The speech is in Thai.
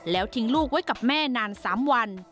แล้วทิ้งลูกไว้กับแม่นาน๓วัน